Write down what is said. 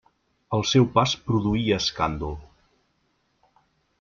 El seu pas produïa escàndol.